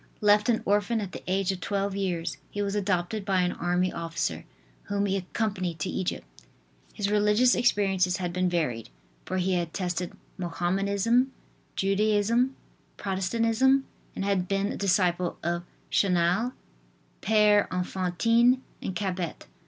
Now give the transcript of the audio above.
Left an orphan at the age of twelve years he was adopted by an army officer, whom he accompanied to Egypt. His religious experiences had been varied, for he had tested Mohamedanism, Judaism, Protestantism and had been a disciple of Chanel, Pere Enfantine and Cabet.